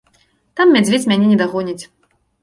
Там мядзведзь мяне не дагоніць.